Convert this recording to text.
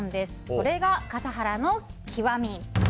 それが笠原の極み。